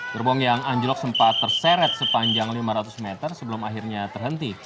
gerbong yang anjlok sempat terseret sepanjang lima ratus meter sebelum akhirnya terhenti